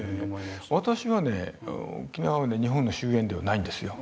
私はね沖縄はね日本の周縁ではないんですよ。